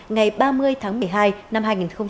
ngày ba mươi tháng một mươi hai năm hai nghìn một mươi chín